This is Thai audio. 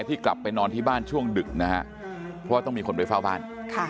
ที่กลับไปนอนที่บ้านช่วงดึกนะฮะเพราะว่าต้องมีคนไปเฝ้าบ้าน